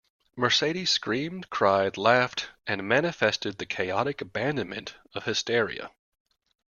Mercedes screamed, cried, laughed, and manifested the chaotic abandonment of hysteria.